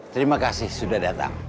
terima kasih sudah datang